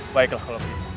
baiklah kalo gitu